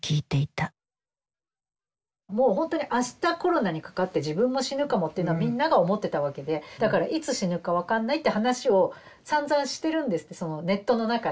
もうほんとにあしたコロナにかかって自分も死ぬかもっていうのはみんなが思ってたわけでだからいつ死ぬか分かんないって話をさんざんしてるんですってそのネットの中で。